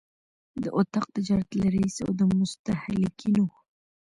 د اطاق تجارت له رئیس او د مستهلکینو